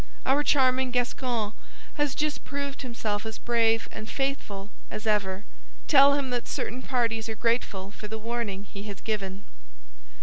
Our charming Gascon has just proved himself as brave and faithful as ever. Tell him that certain parties are grateful for the warning he has given.